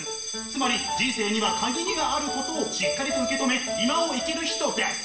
つまり人生には限りがあることをしっかりと受け止め今を生きる人です。